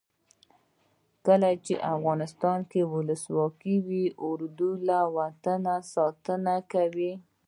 کله چې افغانستان کې ولسواکي وي اردو له وطنه ساتنه کوي.